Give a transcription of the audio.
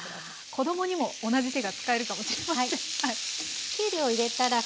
子供にも同じ手が使えるかもしれません。